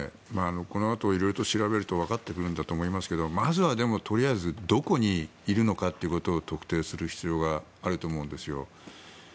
このあと色々と調べるとわかってくるんだと思いますがまずはとりあえずどこにいるのかということを特定する必要があると思うんですよ。